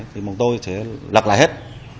thì bọn tôi sẽ lặp lại hết